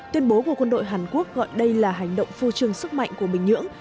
tuyên bố của quân đội hàn quốc gọi đây là hành động phu trường sức mạnh của bình nhưỡng